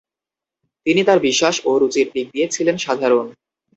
তিনি তার বিশ্বাস ও রুচির দিক দিয়ে ছিলেন সাধারণ।